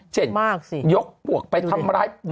เช่นยกปวกไปทำร้ายหมอ